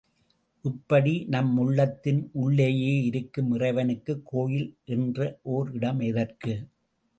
இப்படி நம் உள்ளத்தின் உள்ளேயே இருக்கும் இறைவனுக்கு கோயில் என்ற ஓர் இடம் எதற்கு?